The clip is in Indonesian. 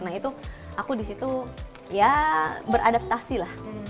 nah itu aku disitu ya beradaptasi lah